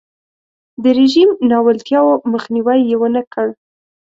د رژیم ناولتیاوو مخنیوی یې ونکړ.